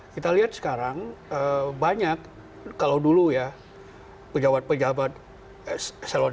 kita lihat sekarang banyak kalau dulu ya pejabat pejabat selon satu